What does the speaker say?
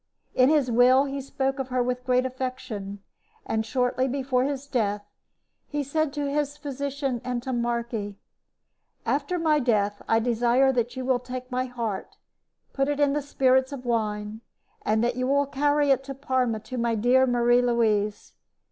In his will he spoke of her with great affection, and shortly before his death he said to his physician, Antommarchi: "After my death, I desire that you will take my heart, put it in the spirits of wine, and that you carry it to Parma to my dear Marie Louise.